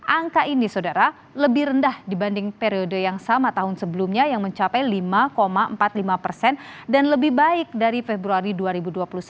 angka ini sodara lebih rendah dibanding periode yang sama tahun sebelumnya yang mencapai lima empat puluh lima persen dan lebih baik dari februari dua ribu dua puluh satu yang mencapai enam dua puluh enam persen karena pandemi waktu itu